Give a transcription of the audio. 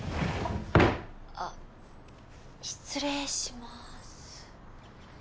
あ失礼します。